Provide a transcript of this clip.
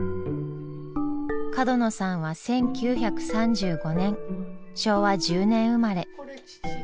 角野さんは１９３５年昭和１０年生まれ。